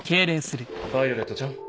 ヴァイオレットちゃん